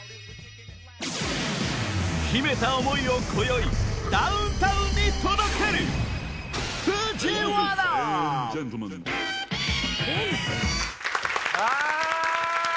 秘めた思いを今宵ダウンタウンに届けるあ！